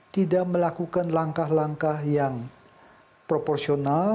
tidak melakukan langkah langkah yang proporsional